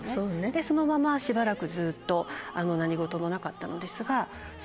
でそのまましばらくずっと何事もなかったのですが。